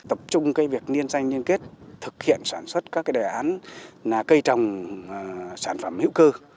tập trung cái việc niên danh niên kết thực hiện sản xuất các cái đề án là cây trồng sản phẩm hữu cơ